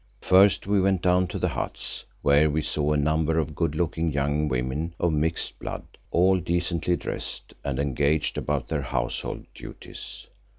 First we went down to the huts, where we saw a number of good looking young women of mixed blood, all decently dressed and engaged about their household duties.